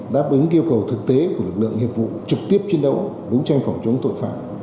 đáp ứng yêu cầu thực tế của lực lượng hiệp vụ trực tiếp chiến đấu đúng tranh phòng chống tội phạm